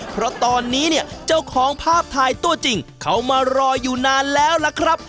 เพราะตอนนี้เนี่ยเจ้าของภาพถ่ายตัวจริงเขามารออยู่นานแล้วล่ะครับ